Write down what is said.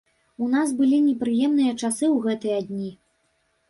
У нас былі непрыемныя часы ў гэтыя дні.